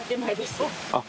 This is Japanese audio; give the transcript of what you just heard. あっ！